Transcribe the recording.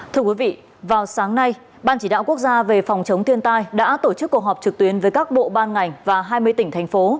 thưa quý vị vào sáng nay ban chỉ đạo quốc gia về phòng chống thiên tai đã tổ chức cuộc họp trực tuyến với các bộ ban ngành và hai mươi tỉnh thành phố